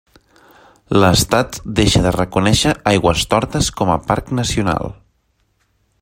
L'Estat deixa de reconèixer Aigüestortes com a parc nacional.